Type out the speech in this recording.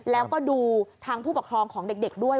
แล้วก็ดูทางผู้ปกครองของเด็กด้วย